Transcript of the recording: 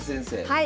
はい。